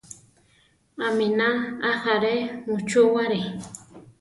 Aminá ajaré muchúware.